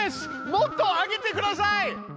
もっとあげてください！